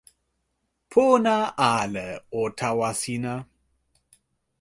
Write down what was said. pona ale o tawa sina.